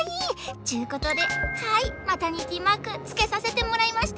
っちゅうことではいマタニティマークつけさせてもらいました！